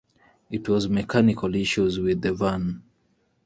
It was mechanical issues with the van.